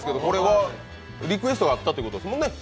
リクエストがあったってことですもんね？